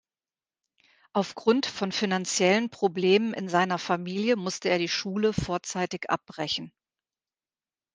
Aufgrund von finanziellen Problemen in seiner Familie musste er die Schule vorzeitig abbrechen.